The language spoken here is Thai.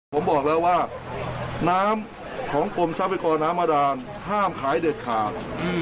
ผมบอกแล้วว่าน้ำของกรมทรัพยากรน้ำบาดานห้ามขายเด็ดขาด